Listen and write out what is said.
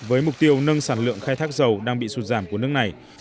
với mục tiêu nâng sản lượng khai thác dầu đang bị sụt giảm của nước này